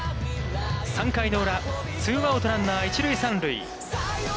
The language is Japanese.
３回裏、ツーアウト、ランナー一塁三塁。